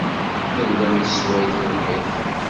Nella nessway tibḥirt.